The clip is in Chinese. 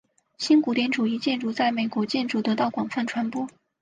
新古典主义建筑在美国建筑得到广泛传播。